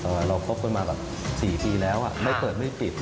เราคบกันมาแบบ๔ปีแล้วไม่เปิดไม่ปิด